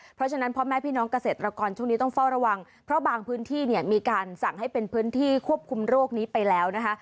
เพราะฉะนั้นพ่อแม่พี่น้องเกษตรกรช่วงนี้ต้องเฝ้าระวังเพราะบางพื้นที่เนี่ยมีการสั่งให้เป็นพื้นที่ควบคุมโรคนี้ไปแล้วนะคะ